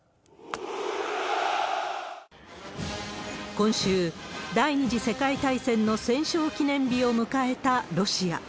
今週、第２次世界大戦の戦勝記念日を迎えたロシア。